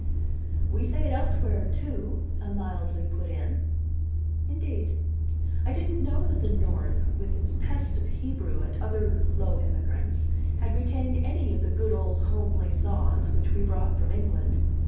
"We say it elsewhere, too," I mildly put in. "Indeed? I didn't know that the North, with its pest of Hebrew and other low immigrants, had retained any of the good old homely saws which we brought from England.